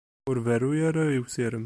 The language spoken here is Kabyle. Ur berru ara i usirem.